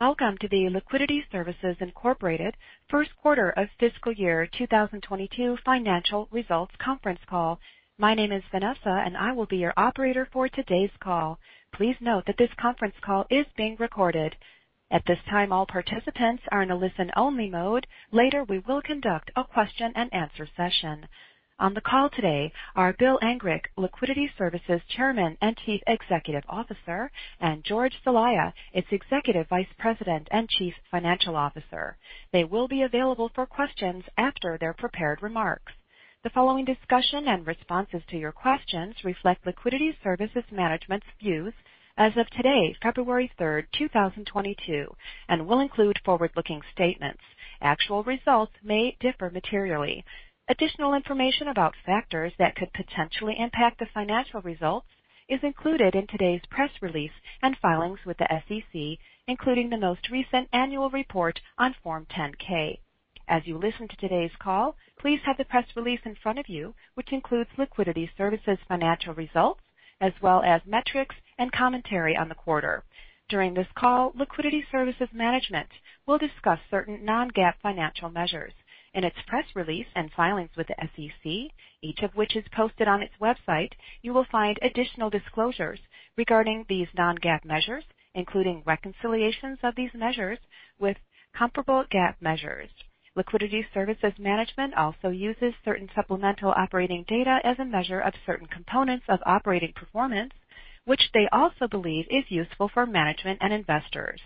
Welcome to the Liquidity Services Incorporated first quarter of fiscal year 2022 financial results conference call. My name is Vanessa, and I will be your operator for today's call. Please note that this conference call is being recorded. At this time, all participants are in a listen-only mode. Later, we will conduct a question-and-answer session. On the call today are Bill Angrick, Liquidity Services Chairman and Chief Executive Officer, and Jorge Celaya, its Executive Vice President and Chief Financial Officer. They will be available for questions after their prepared remarks. The following discussion and responses to your questions reflect Liquidity Services management's views as of today, February 3rd, 2022, and will include forward-looking statements. Actual results may differ materially. Additional information about factors that could potentially impact the financial results is included in today's press release and filings with the SEC, including the most recent annual report on Form 10-K. As you listen to today's call, please have the press release in front of you, which includes Liquidity Services financial results, as well as metrics and commentary on the quarter. During this call, Liquidity Services management will discuss certain non-GAAP financial measures. In its press release and filings with the SEC, each of which is posted on its website, you will find additional disclosures regarding these non-GAAP measures, including reconciliations of these measures with comparable GAAP measures. Liquidity Services management also uses certain supplemental operating data as a measure of certain components of operating performance, which they also believe is useful for management and investors.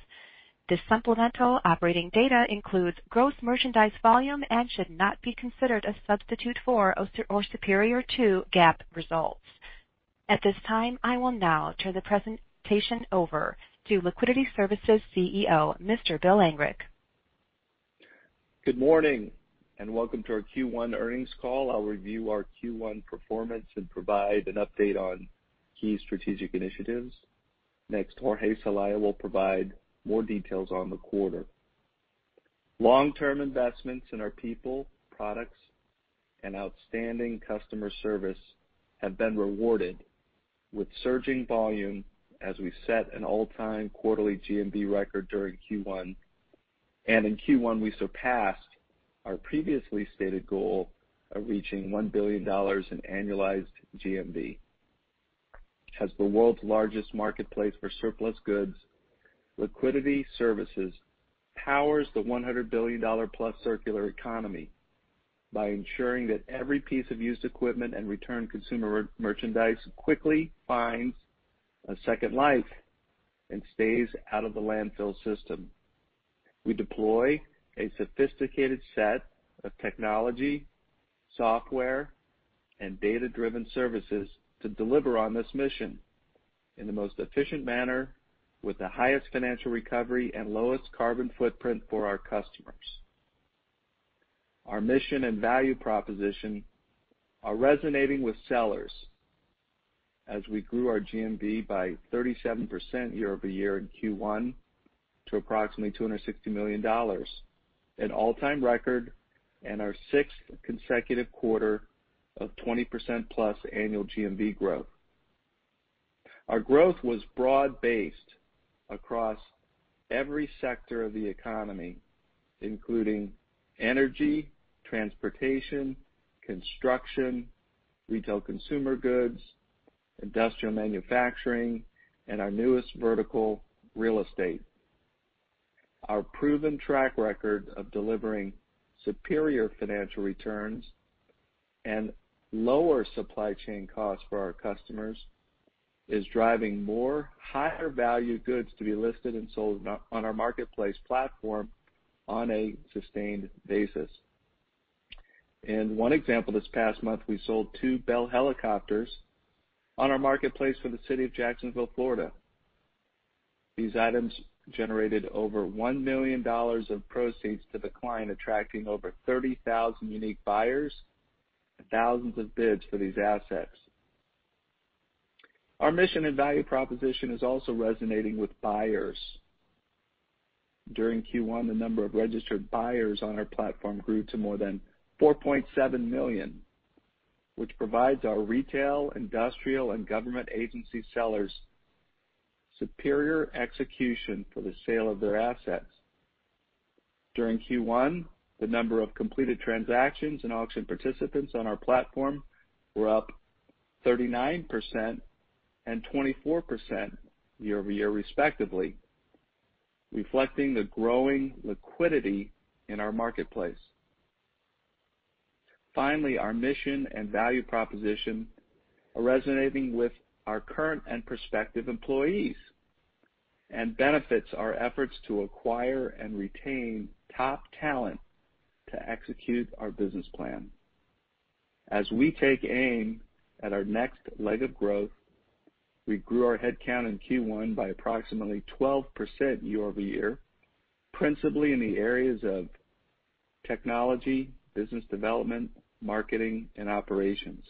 This supplemental operating data includes gross merchandise volume and should not be considered a substitute for or superior to GAAP results. At this time, I will now turn the presentation over to Liquidity Services CEO, Mr. Bill Angrick. Good morning and welcome to our Q1 earnings call. I'll review our Q1 performance and provide an update on key strategic initiatives. Next, Jorge Celaya will provide more details on the quarter. Long-term investments in our people, products, and outstanding customer service have been rewarded with surging volume as we set an all-time quarterly GMV record during Q1. In Q1, we surpassed our previously stated goal of reaching $1 billion in annualized GMV. As the world's largest marketplace for surplus goods, Liquidity Services powers the $100 billion-plus circular economy by ensuring that every piece of used equipment and returned consumer merchandise quickly finds a second life and stays out of the landfill system. We deploy a sophisticated set of technology, software, and data-driven services to deliver on this mission in the most efficient manner with the highest financial recovery and lowest carbon footprint for our customers. Our mission and value proposition are resonating with sellers as we grew our GMV by 37% year-over-year in Q1 to approximately $260 million, an all-time record and our sixth consecutive quarter of 20%+ annual GMV growth. Our growth was broad-based across every sector of the economy, including energy, transportation, construction, retail consumer goods, industrial manufacturing, and our newest vertical, real estate. Our proven track record of delivering superior financial returns and lower supply chain costs for our customers is driving more higher value goods to be listed and sold on our marketplace platform on a sustained basis. In one example this past month, we sold two Bell helicopters on our marketplace for the city of Jacksonville, Florida. These items generated over $1 million of proceeds to the client, attracting over 30,000 unique buyers and thousands of bids for these assets. Our mission and value proposition is also resonating with buyers. During Q1, the number of registered buyers on our platform grew to more than $4.7 million, which provides our retail, industrial, and government agency sellers superior execution for the sale of their assets. During Q1, the number of completed transactions and auction participants on our platform were up 39% and 24% year-over-year, respectively, reflecting the growing liquidity in our marketplace. Finally, our mission and value proposition are resonating with our current and prospective employees, and benefits our efforts to acquire and retain top talent to execute our business plan. As we take aim at our next leg of growth, we grew our headcount in Q1 by approximately 12% year-over-year, principally in the areas of technology, business development, marketing, and operations.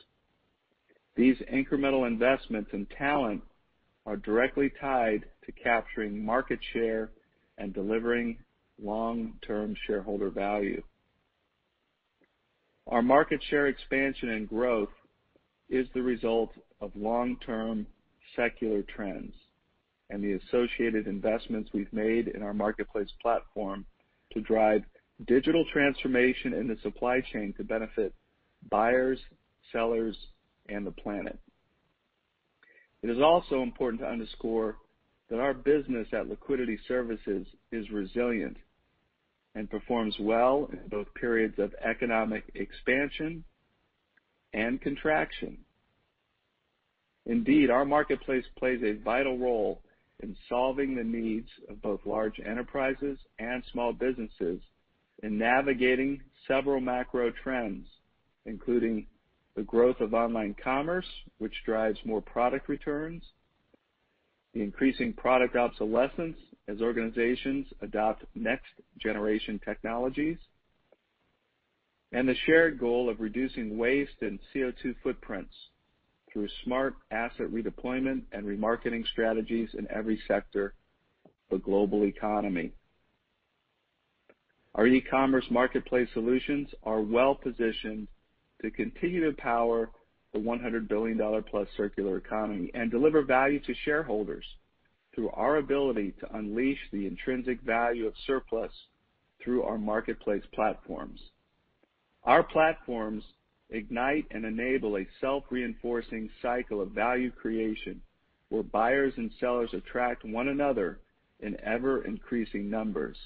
These incremental investments in talent are directly tied to capturing market share and delivering long-term shareholder value. Our market share expansion and growth is the result of long-term secular trends and the associated investments we've made in our marketplace platform to drive digital transformation in the supply chain to benefit buyers, sellers, and the planet. It is also important to underscore that our business at Liquidity Services is resilient and performs well in both periods of economic expansion and contraction. Indeed, our marketplace plays a vital role in solving the needs of both large enterprises and small businesses in navigating several macro trends, including the growth of online commerce, which drives more product returns, the increasing product obsolescence as organizations adopt next-generation technologies, and the shared goal of reducing waste and CO₂ footprints through smart asset redeployment and remarketing strategies in every sector of the global economy. Our e-commerce marketplace solutions are well-positioned to continue to power the $100+ billion circular economy and deliver value to shareholders through our ability to unleash the intrinsic value of surplus through our marketplace platforms. Our platforms ignite and enable a self-reinforcing cycle of value creation, where buyers and sellers attract one another in ever-increasing numbers.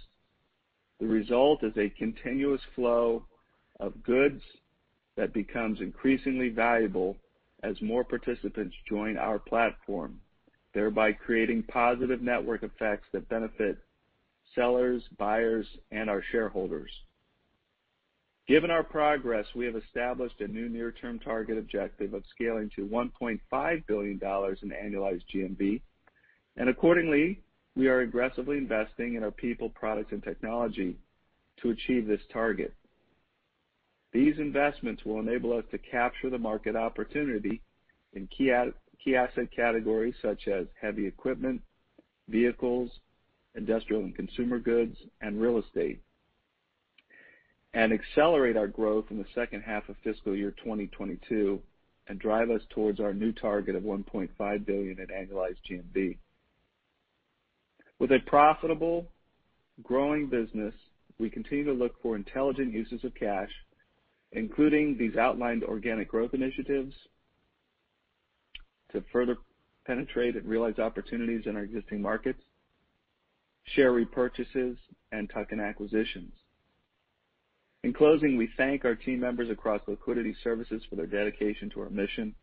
The result is a continuous flow of goods that becomes increasingly valuable as more participants join our platform, thereby creating positive network effects that benefit sellers, buyers, and our shareholders. Given our progress, we have established a new near-term target objective of scaling to $1.5 billion in annualized GMV. Accordingly, we are aggressively investing in our people, products, and technology to achieve this target. These investments will enable us to capture the market opportunity in key asset categories, such as heavy equipment, vehicles, industrial and consumer goods, and real estate, and accelerate our growth in the second half of fiscal year 2022, and drive us towards our new target of $1.5 billion in annualized GMV. With a profitable, growing business, we continue to look for intelligent uses of cash, including these outlined organic growth initiatives to further penetrate and realize opportunities in our existing markets, share repurchases, and tuck-in acquisitions. In closing, we thank our team members across Liquidity Services for their dedication to our mission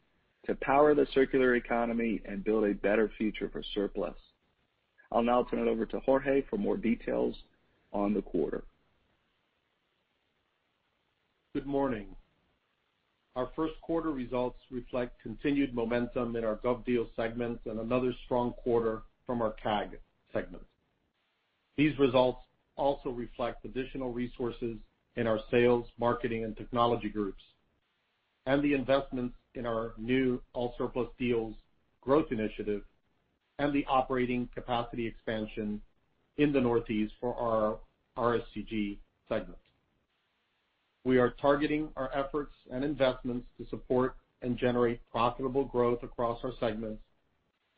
to power the circular economy and build a better future for surplus. I'll now turn it over to Jorge for more details on the quarter. Good morning. Our first quarter results reflect continued momentum in our GovDeals segment and another strong quarter from our CAG segment. These results also reflect additional resources in our sales, marketing, and technology groups, and the investments in our new AllSurplus Deals growth initiative, and the operating capacity expansion in the Northeast for our RSCG segment. We are targeting our efforts and investments to support and generate profitable growth across our segments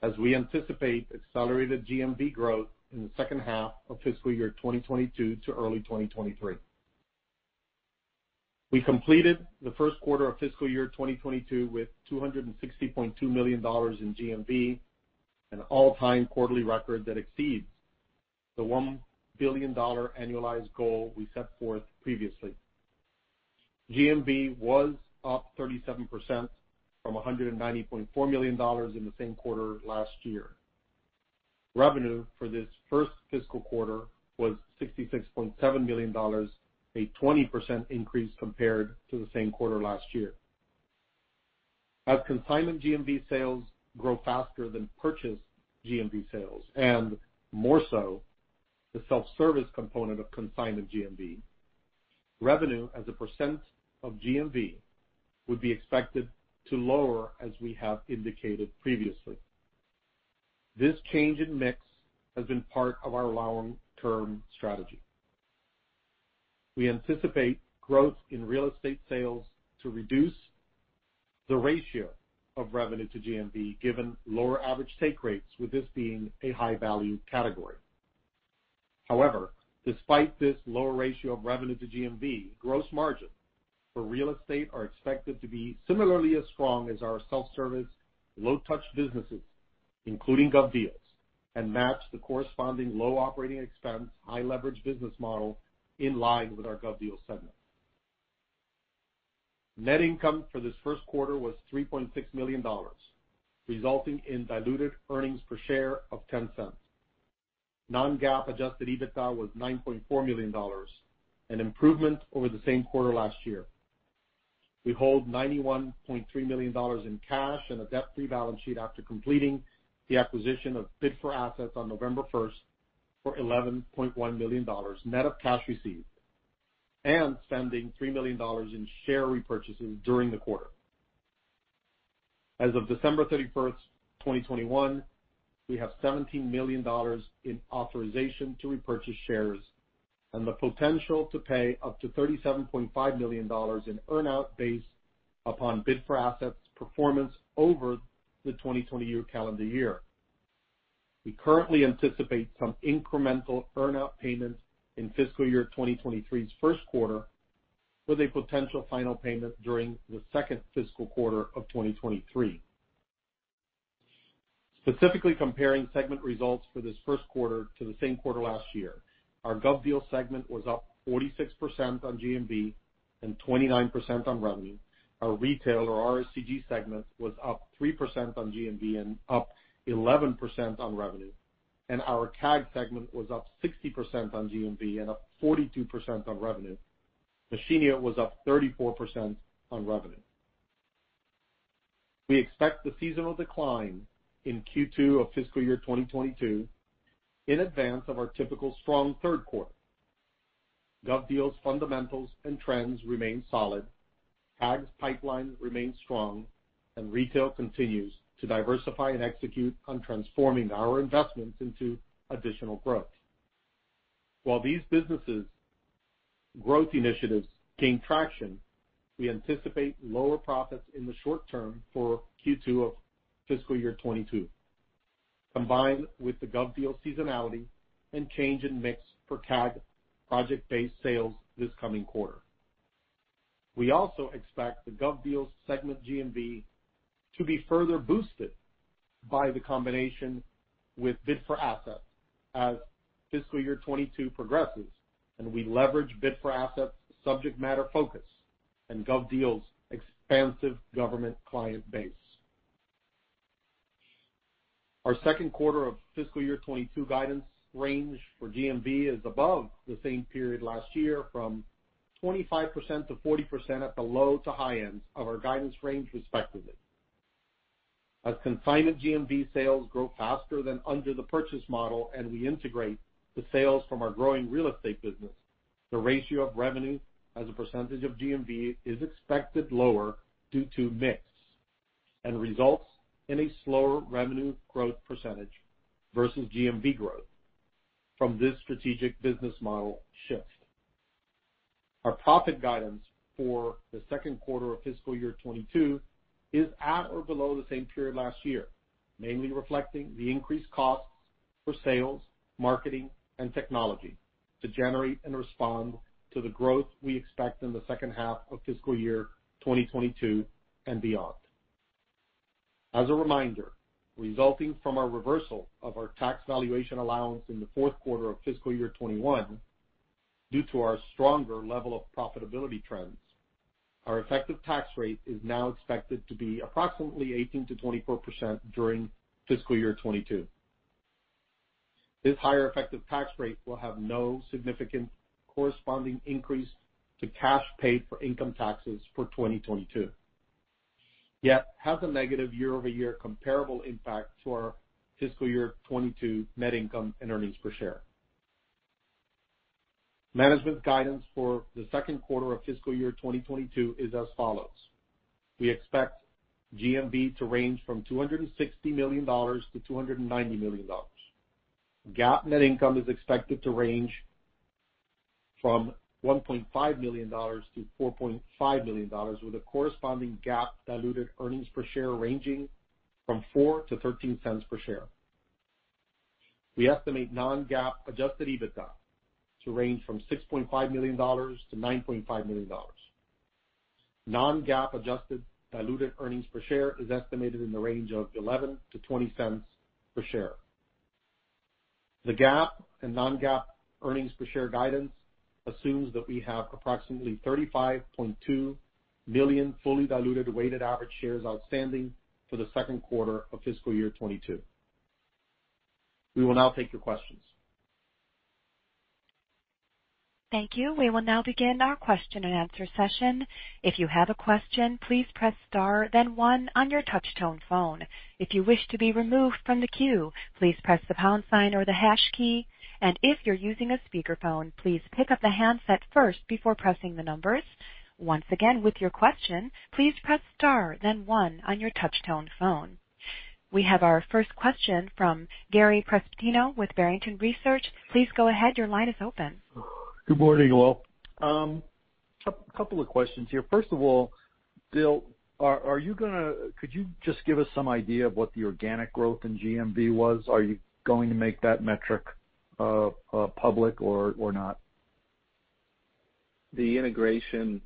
as we anticipate accelerated GMV growth in the second half of fiscal year 2022 to early 2023. We completed the first quarter of fiscal year 2022 with $260.2 million in GMV, an all-time quarterly record that exceeds the $1 billion annualized goal we set forth previously. GMV was up 37% from $190.4 million in the same quarter last year. Revenue for this first fiscal quarter was $66.7 million, a 20% increase compared to the same quarter last year. As consignment GMV sales grow faster than purchase GMV sales, and more so, the self-service component of consignment GMV, revenue as a percent of GMV would be expected to lower, as we have indicated previously. This change in mix has been part of our long-term strategy. We anticipate growth in real estate sales to reduce the ratio of revenue to GMV, given lower average take rates, with this being a high-value category. However, despite this lower ratio of revenue to GMV, gross margin for real estate are expected to be similarly as strong as our self-service, low-touch businesses, including GovDeals, and match the corresponding low operating expense, high leverage business model in line with our GovDeals segment. Net income for this first quarter was $3.6 million, resulting in diluted earnings per share of $0.10. Non-GAAP adjusted EBITDA was $9.4 million, an improvement over the same quarter last year. We hold $91.3 million in cash and a debt-free balance sheet after completing the acquisition of Bid4Assets on November 1st for $11.1 million, net of cash received, and spending $3 million in share repurchases during the quarter. As of December 31st, 2021, we have $17 million in authorization to repurchase shares and the potential to pay up to $37.5 million in earn-out based upon Bid4Assets performance over the 2020 calendar year. We currently anticipate some incremental earn-out payments in fiscal year 2023's first quarter, with a potential final payment during the second fiscal quarter of 2023. Specifically comparing segment results for this first quarter to the same quarter last year, our GovDeals segment was up 46% on GMV and 29% on revenue. Our retail or RSCG segment was up 3% on GMV and up 11% on revenue. Our CAG segment was up 60% on GMV and up 42% on revenue. Machinio was up 34% on revenue. We expect the seasonal decline in Q2 of fiscal year 2022 in advance of our typical strong third quarter. GovDeals fundamentals and trends remain solid, CAG's pipeline remains strong, and retail continues to diversify and execute on transforming our investments into additional growth. While these businesses' growth initiatives gain traction, we anticipate lower profits in the short term for Q2 of fiscal year 2022, combined with the GovDeals seasonality and change in mix for CAG project-based sales this coming quarter. We also expect the GovDeals segment GMV to be further boosted by the combination with Bid4Assets as fiscal year 2022 progresses, and we leverage Bid4Assets subject matter focus and GovDeals expansive government client base. Our second quarter of fiscal year 2022 guidance range for GMV is above the same period last year from 25%-40% at the low to high ends of our guidance range, respectively. As consignment GMV sales grow faster than under the purchase model and we integrate the sales from our growing real estate business, the ratio of revenue as a percentage of GMV is expected lower due to mix, and results in a slower revenue growth percentage versus GMV growth from this strategic business model shift. Our profit guidance for the second quarter of fiscal year 2022 is at or below the same period last year, mainly reflecting the increased costs for sales, marketing, and technology to generate and respond to the growth we expect in the second half of fiscal year 2022 and beyond. As a reminder, resulting from our reversal of our tax valuation allowance in the fourth quarter of fiscal year 2021, due to our stronger level of profitability trends, our effective tax rate is now expected to be approximately 18%-24% during fiscal year 2022. This higher effective tax rate will have no significant corresponding increase to cash paid for income taxes for 2022, yet has a negative year-over-year comparable impact to our fiscal year 2022 net income and earnings per share. Management guidance for the second quarter of fiscal year 2022 is as follows. We expect GMV to range from $260 million-$290 million. GAAP net income is expected to range from $1.5 million-$4.5 million, with a corresponding GAAP diluted earnings per share ranging from$0.04-$0.13 Per share. We estimate non-GAAP adjusted EBITDA to range from $6.5 million-$9.5 million. Non-GAAP adjusted diluted earnings per share is estimated in the range of $0.11-$0.20 per share. The GAAP and non-GAAP earnings per share guidance assumes that we have approximately 35.2 million fully diluted weighted average shares outstanding for the second quarter of fiscal year 2022. We will now take your questions. Thank you. We will now begin our question-and-answer session. If you have a question, please press star then one on your touch tone phone. If you wish to be removed from the queue, please press the pound sign or the hash key. If you're using a speakerphone, please pick up the handset first before pressing the numbers. Once again, with your question, please press star then one on your touch tone phone. We have our first question from Gary Prestopino with Barrington Research. Please go ahead, your line is open. Good morning, all. A couple of questions here. First of all, Bill, could you just give us some idea of what the organic growth in GMV was? Are you going to make that metric public or not? The integration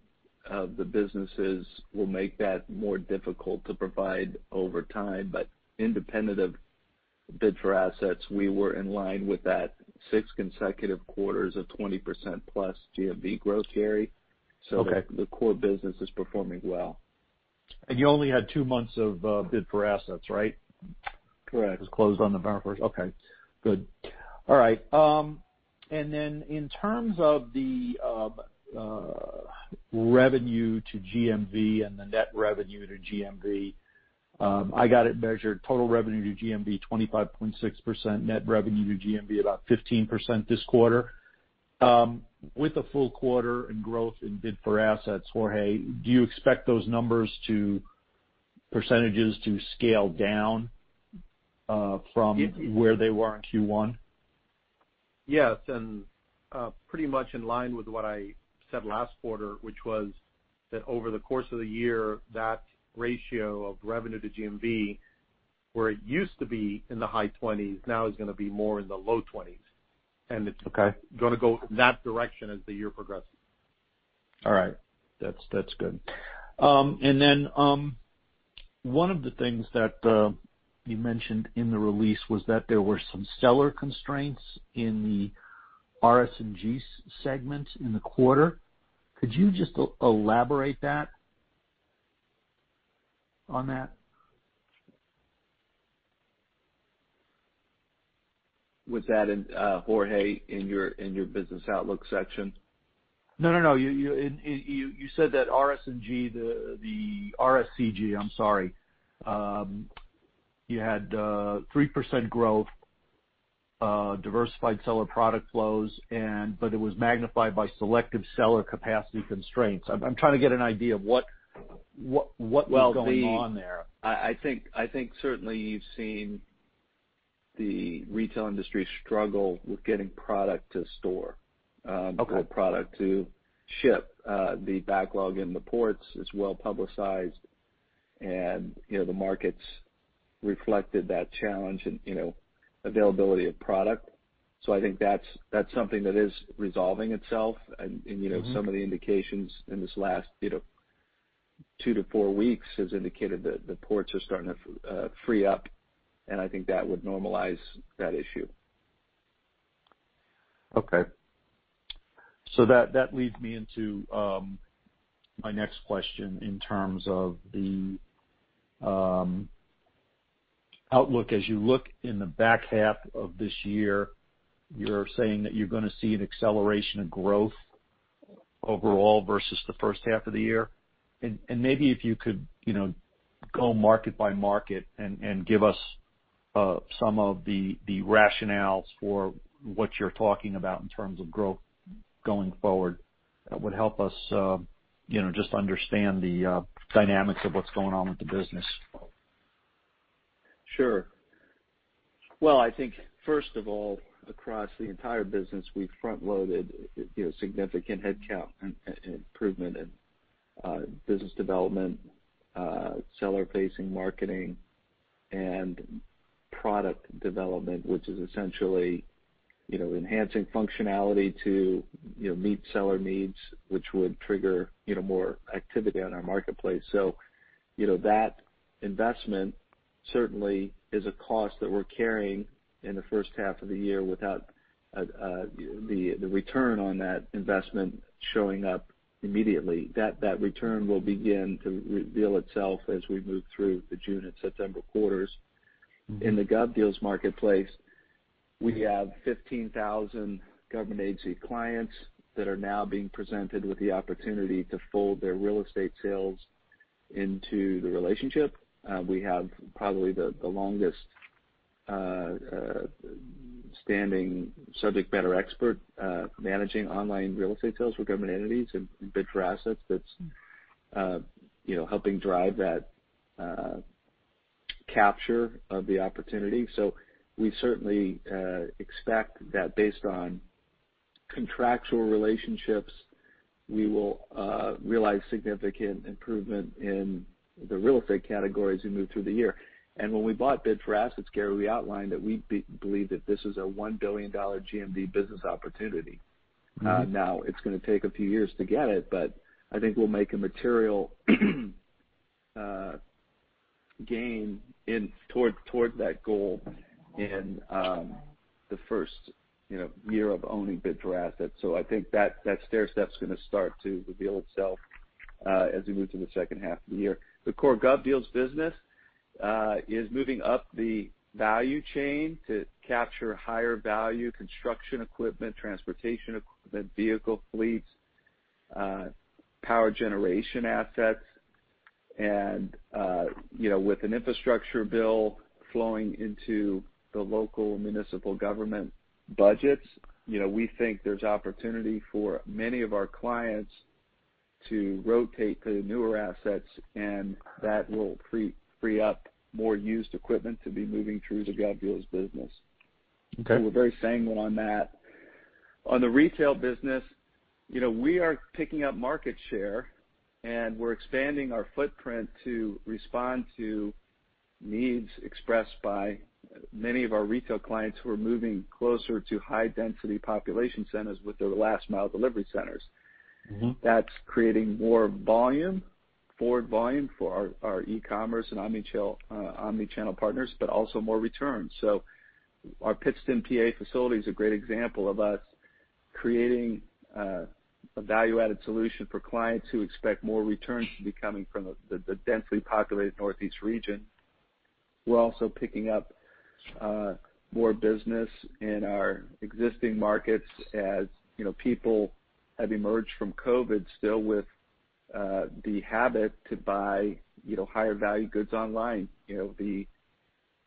of the businesses will make that more difficult to provide over time, but independent of Bid4Assets, we were in line with that six consecutive quarters of 20%+ GMV growth, Gary. Okay. The core business is performing well. You only had two months of Bid4Assets, right? Correct. It was closed on November 1st. Okay, good. All right. In terms of the revenue to GMV and the net revenue to GMV, I got it measured total revenue to GMV, 25.6%. Net revenue to GMV, about 15% this quarter. With the full quarter and growth in Bid4Assets, Jorge, do you expect those percentages to scale down from where they were in Q1? Yes, pretty much in line with what I said last quarter, which was that over the course of the year, that ratio of revenue to GMV, where it used to be in the high twenties, now is gonna be more in the low twenties. Okay. Gonna go in that direction as the year progresses. All right. That's good. One of the things that you mentioned in the release was that there were some seller constraints in the RSCG segment in the quarter. Could you just elaborate on that? Was that in, Jorge, in your business outlook section? No. You said that RSCG. I'm sorry. You had 3% growth, diversified seller product flows, but it was magnified by selective seller capacity constraints. I'm trying to get an idea of what was going on there. Well, I think certainly you've seen the retail industry struggle with getting product to store. Okay. or product to ship. The backlog in the ports is well-publicized, and, you know, the markets reflected that challenge and, you know, availability of product. So I think that's something that is resolving itself. And you know- Mm-hmm. Some of the indications in this last, you know, two-four weeks has indicated that the ports are starting to free up, and I think that would normalize that issue. That leads me into my next question in terms of the outlook. As you look in the back half of this year, you're saying that you're gonna see an acceleration of growth overall versus the first half of the year. Maybe if you could, you know, go market by market and give us some of the rationales for what you're talking about in terms of growth going forward, would help us, you know, just understand the dynamics of what's going on with the business. Sure. Well, I think first of all, across the entire business, we've front loaded, you know, significant headcount and improvement in business development, seller-facing marketing and product development, which is essentially, you know, enhancing functionality to, you know, meet seller needs, which would trigger, you know, more activity on our marketplace. You know, that investment certainly is a cost that we're carrying in the first half of the year without the return on that investment showing up immediately. That return will begin to reveal itself as we move through the June and September quarters. Mm-hmm. In the GovDeals marketplace, we have 15,000 government agency clients that are now being presented with the opportunity to fold their real estate sales into the relationship. We have probably the longest standing subject matter expert managing online real estate sales for government entities in Bid4Assets that's you know helping drive that capture of the opportunity. We certainly expect that based on contractual relationships, we will realize significant improvement in the real estate category as we move through the year. When we bought Bid4Assets, Gary, we outlined that we believe that this is a $1 billion GMV business opportunity. Mm-hmm. Now it's gonna take a few years to get it, but I think we'll make a material gain toward that goal in the first, you know, year of owning Bid4Assets. I think that stairstep's gonna start to reveal itself as we move through the second half of the year. The core GovDeals business is moving up the value chain to capture higher value construction equipment, transportation equipment, vehicle fleets, power generation assets. You know, with an infrastructure bill flowing into the local municipal government budgets, you know, we think there's opportunity for many of our clients to rotate to newer assets, and that will free up more used equipment to be moving through the GovDeals business. Okay. We're very sanguine on that. On the retail business, you know, we are picking up market share, and we're expanding our footprint to respond to needs expressed by many of our retail clients who are moving closer to high-density population centers with their last mile delivery centers. Mm-hmm. That's creating more volume, forward volume for our e-commerce and omnichannel partners, but also more returns. Our Pittston, PA facility is a great example of us creating a value-added solution for clients who expect more returns to be coming from the densely populated Northeast region. We're also picking up more business in our existing markets as you know, people have emerged from COVID still with the habit to buy you know, higher value goods online. You know, the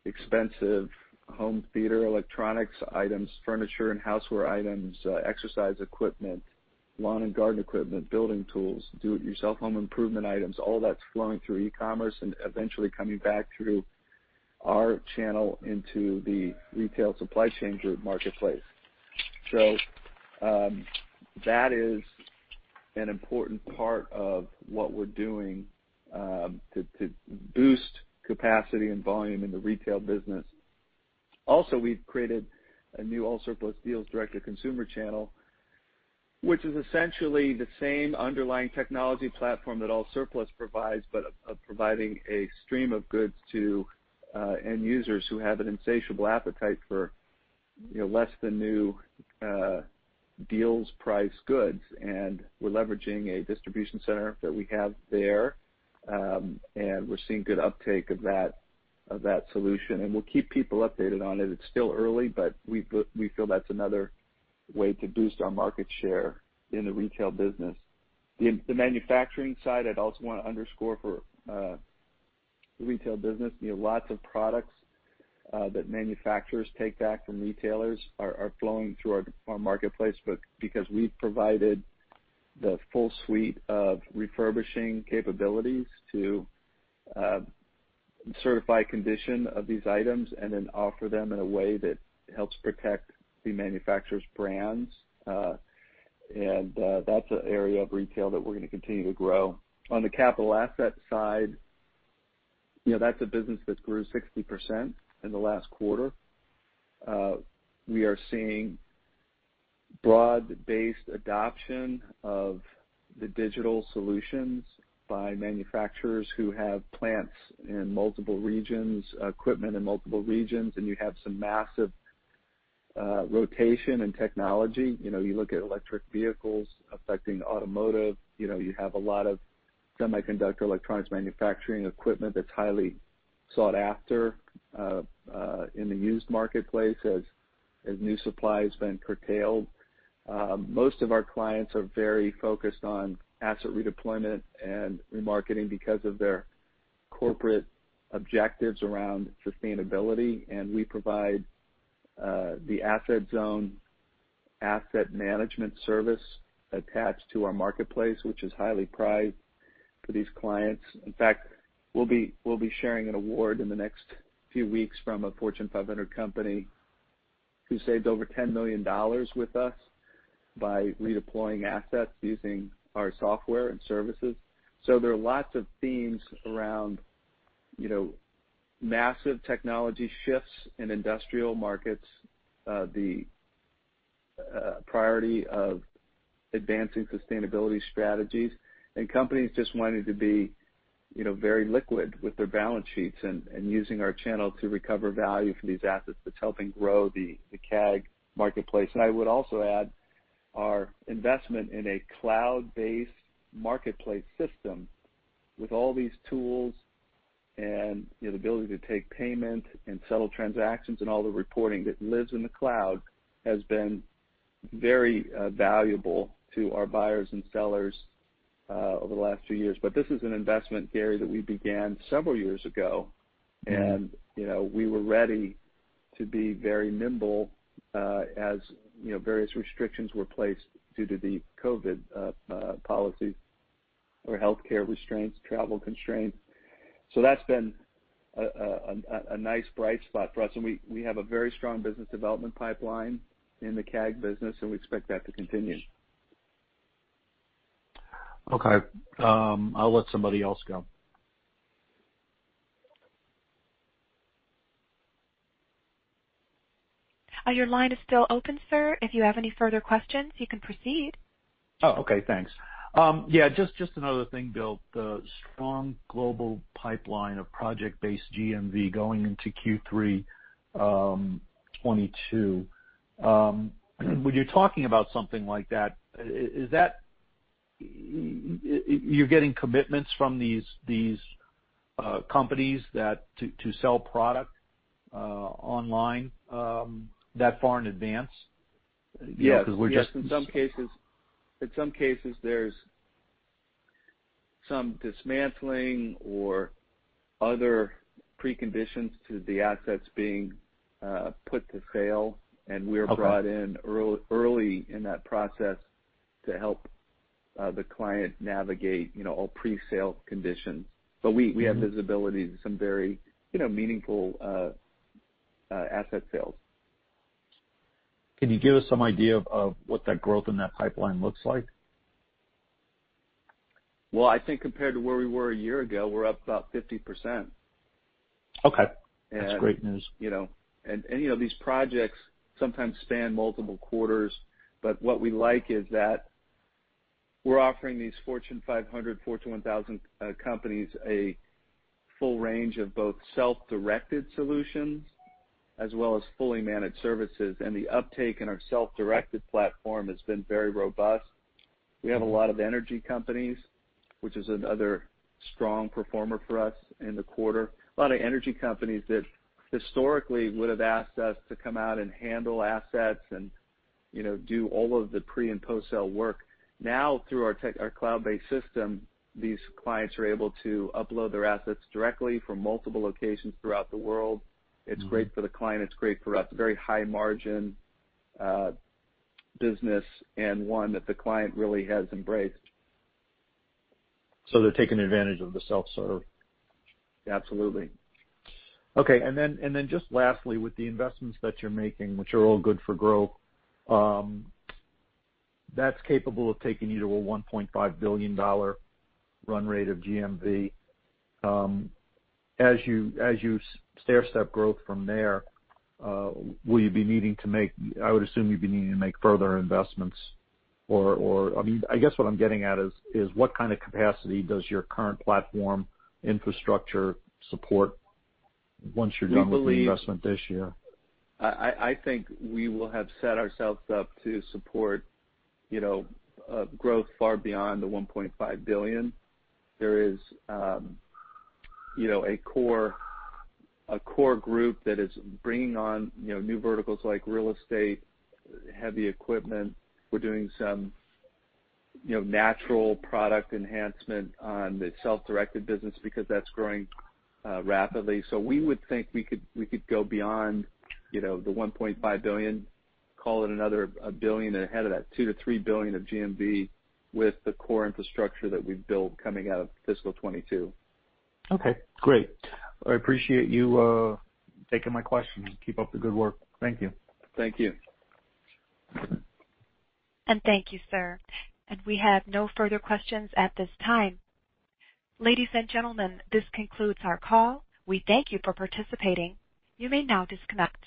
expensive home theater electronics items, furniture and houseware items, exercise equipment, lawn and garden equipment, building tools, do-it-yourself home improvement items, all that's flowing through e-commerce and eventually coming back through our channel into the Retail Supply Chain Group marketplace. That is an important part of what we're doing to boost capacity and volume in the retail business. Also, we've created a new AllSurplus Deals direct-to-consumer channel, which is essentially the same underlying technology platform that AllSurplus provides, but for providing a stream of goods to end users who have an insatiable appetite for, you know, less than new deal-priced goods. We're leveraging a distribution center that we have there, and we're seeing good uptake of that solution. We'll keep people updated on it. It's still early, but we feel that's another way to boost our market share in the retail business. The manufacturing side, I'd also wanna underscore for the retail business. You know, lots of products that manufacturers take back from retailers are flowing through our marketplace, but because we've provided the full suite of refurbishing capabilities to certify condition of these items and then offer them in a way that helps protect the manufacturer's brands. That's an area of retail that we're gonna continue to grow. On the capital asset side, you know, that's a business that grew 60% in the last quarter. We are seeing broad-based adoption of the digital solutions by manufacturers who have plants in multiple regions, equipment in multiple regions, and you have some massive rotation in technology. You know, you look at electric vehicles affecting automotive. You know, you have a lot of semiconductor electronics manufacturing equipment that's highly sought after in the used marketplace as new supply has been curtailed. Most of our clients are very focused on asset redeployment and remarketing because of their corporate objectives around sustainability, and we provide the AssetZone asset management service attached to our marketplace, which is highly prized for these clients. In fact, we'll be sharing an award in the next few weeks from a Fortune 500 company who saved over $10 million with us by redeploying assets using our software and services. There are lots of themes around, you know, massive technology shifts in industrial markets, the priority of advancing sustainability strategies, and companies just wanting to be, you know, very liquid with their balance sheets and using our channel to recover value from these assets that's helping grow the CAG marketplace. I would also add our investment in a cloud-based marketplace system with all these tools and, you know, the ability to take payment and settle transactions and all the reporting that lives in the cloud has been very valuable to our buyers and sellers over the last few years. This is an investment, Gary, that we began several years ago, and, you know, we were ready to be very nimble as, you know, various restrictions were placed due to the COVID policies or healthcare restraints, travel constraints. That's been a nice bright spot for us, and we have a very strong business development pipeline in the CAG business, and we expect that to continue. Okay. I'll let somebody else go. Your line is still open, sir. If you have any further questions, you can proceed. Oh, okay, thanks. Yeah, just another thing, Bill. The strong global pipeline of project-based GMV going into Q3 2022. When you're talking about something like that, is that you're getting commitments from these companies to sell product online that far in advance? You know, 'cause we're just- Yes. In some cases, there's some dismantling or other preconditions to the assets being put to sale. Okay. We're brought in early in that process to help the client navigate, you know, all presale conditions. We have visibility to some very, you know, meaningful asset sales. Can you give us some idea of what that growth in that pipeline looks like? Well, I think compared to where we were a year ago, we're up about 50%. Okay. That's great news. You know, these projects sometimes span multiple quarters. What we like is that we're offering these Fortune 500, Fortune 1000 companies a full range of both self-directed solutions as well as fully managed services, and the uptake in our self-directed platform has been very robust. We have a lot of energy companies, which is another strong performer for us in the quarter. A lot of energy companies that historically would have asked us to come out and handle assets and you know, do all of the pre- and post-sale work. Now through our cloud-based system, these clients are able to upload their assets directly from multiple locations throughout the world. It's great for the client. It's great for us. Very high-margin business and one that the client really has embraced. They're taking advantage of the self-serve? Absolutely. Okay. Just lastly, with the investments that you're making, which are all good for growth, that's capable of taking you to a $1.5 billion run rate of GMV. As you stairstep growth from there, I would assume you'd be needing to make further investments or. I mean, I guess what I'm getting at is what kind of capacity does your current platform infrastructure support once you're done? We believe. with the investment this year? I think we will have set ourselves up to support, you know, growth far beyond the $1.5 billion. There is, you know, a core group that is bringing on, you know, new verticals like real estate, heavy equipment. We're doing some, you know, natural product enhancement on the self-directed business because that's growing rapidly. We would think we could go beyond, you know, the $1.5 billion, call it another $1 billion ahead of that, $2 billion-$3 billion of GMV with the core infrastructure that we've built coming out of fiscal 2022. Okay, great. I appreciate you taking my questions. Keep up the good work. Thank you. Thank you. Thank you, sir. We have no further questions at this time. Ladies and gentlemen, this concludes our call. We thank you for participating. You may now disconnect.